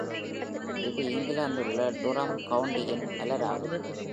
இது இங்கிலாந்திலுள்ள Durham கவுண்டியின் மலராகும்.